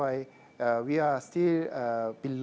adalah brand yang dikenal